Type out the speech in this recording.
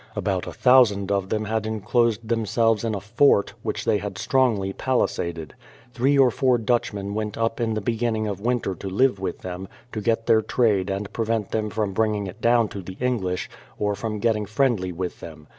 About a thousand of them had enclosed themselves in a fort, which they had strongly palisaded. Three or four Dutchmen went up in the beginning of winter to live with them, to get their trade and prevent them from bringing it down to the English, or from getting friendly with them.